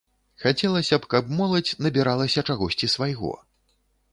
Хацелася б, каб моладзь набіралася чагосьці свайго.